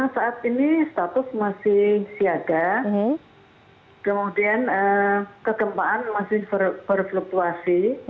saat ini status masih siaga kemudian kegempaan masih berfluktuasi